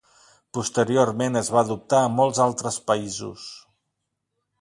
Posteriorment es va adoptar a molts altres països.